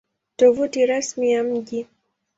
Tovuti Rasmi ya Mji